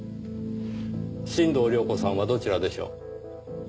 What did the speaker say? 新堂亮子さんはどちらでしょう？